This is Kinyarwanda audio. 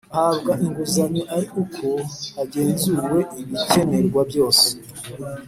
Ahabwa inguzanyo ari uko hagenzuwe ibicyenerwa byose